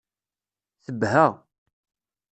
Tebha.